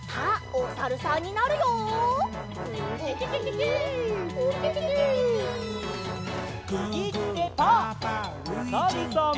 おさるさん。